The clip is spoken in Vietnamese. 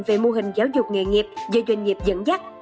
về mô hình giáo dục nghề nghiệp do doanh nghiệp dẫn dắt